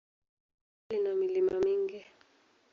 Jimbo lina milima mingi.